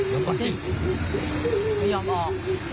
เดี๋ยวก่อนสิไม่ยอมออก